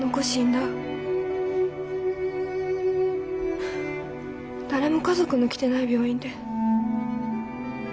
だれも家族の来てない病院で。